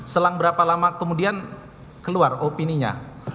selang berapa lama kemudian keluar opini nya